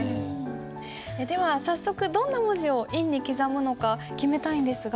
では早速どんな文字を印に刻むのか決めたいんですが。